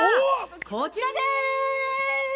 こちらです。